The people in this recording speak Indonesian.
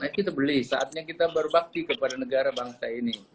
ayo kita beli saatnya kita baru bakti kepada negara bangsa ini